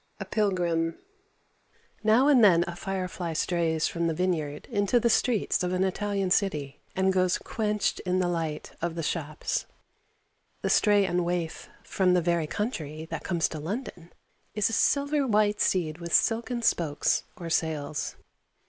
A PILGRIM Now and then a firefly strays from the vineyard into the streets of an Italian city, and goes quenched in the light of the shops. The stray and waif from 'the very country' that comes to London is a silver white seed with silken spokes or sails.